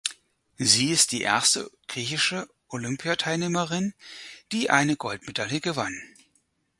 Sie ist die erste griechische Olympiateilnehmerin, die eine Goldmedaille gewann.